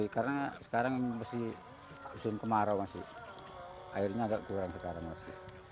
karena sekarang masih musim kemarau masih airnya agak kurang sekarang masih